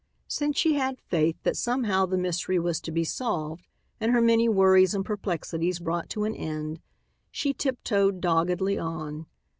Since she had faith that somehow the mystery was to be solved and her many worries and perplexities brought to an end, she tiptoed doggedly on.